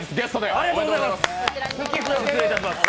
ありがとうございます。